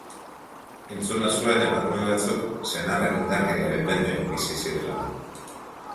Entzuna zuen emakume batzuk senarren indarkeriaren mende bizi zirela.